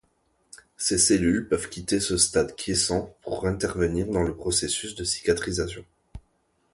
Ces cellules peuvent quitter ce stade quiescent pour intervenir dans les processus de cicatrisation.